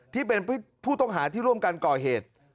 ที่เป็นผู้ต้องหาที่ร่วมกันก่อเหตุ